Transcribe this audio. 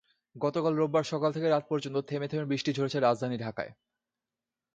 গতকাল রোববার সকাল থেকে রাত পর্যন্ত থেমে থেমে বৃষ্টি ঝরেছে রাজধানী ঢাকায়।